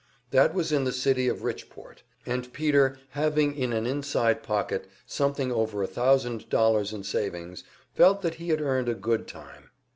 That was in the city of Richport, and Peter having in an inside pocket something over a thousand dollars in savings, felt that he had earned a good time.